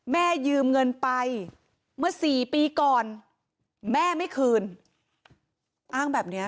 ยืมเงินไปเมื่อสี่ปีก่อนแม่ไม่คืนอ้างแบบนี้